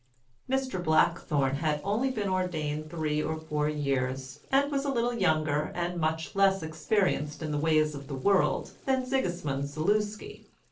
Mr. Blackthorne had only been ordained three or four years, and was a little younger, and much less experienced in the ways of the world, than Sigismund Zaluski.